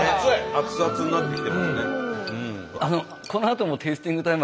アツアツになってきてますね。